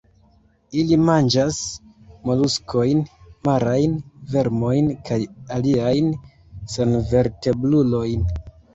Ili manĝas moluskojn, marajn vermojn kaj aliajn senvertebrulojn.